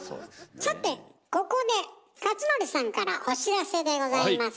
さてここで克典さんからお知らせでございます。